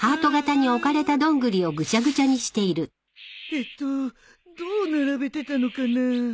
えっとどう並べてたのかな